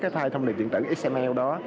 cái thai thông điện điện tử xml đó